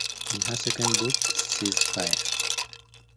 In her second book, Ceasefire!